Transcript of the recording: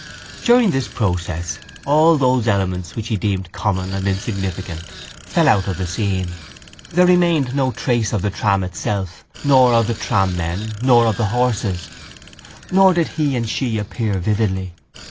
During this process all those elements which he deemed common and insignificant fell out of the scene. There remained no trace of the tram itself nor of the trammen nor of the horses: nor did he and she appear vividly.